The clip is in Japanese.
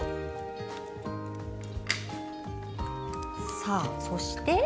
さあそして。